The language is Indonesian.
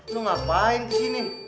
lo ngapain kesini